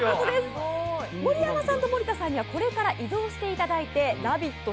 盛山さんと森田さんにはこれから移動していただいて「ラヴィット！」